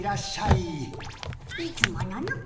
いつものの。